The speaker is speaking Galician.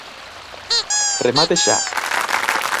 ¡Remate xa!